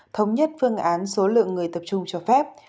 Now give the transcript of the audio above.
thống nhất phương án số lượng người tập trung cho phép